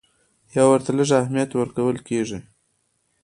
یا ورته لږ اهمیت ورکول کېږي.